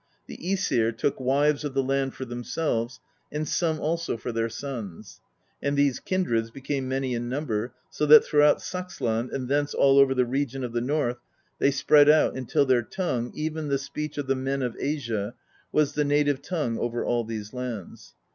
The iEsir took wives of the land for themselves, and some also for their sons; and these kindreds became many in number, so that throughout Saxland, and thence all over the region of the north, they spread out until their tongue, even the speech of the men of Asia, was the native tongue over all these lands.